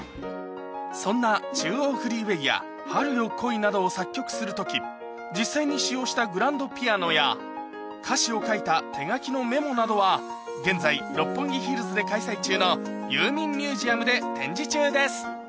そんな『中央フリーウェイ』や『春よ、来い』などを作曲する時実際に使用したグランドピアノや歌詞を書いた手書きのメモなどは現在六本木ヒルズで開催中の「ＹＵＭＩＮＧＭＵＳＥＵＭ」で展示中です